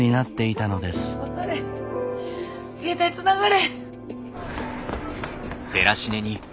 携帯つながれへん。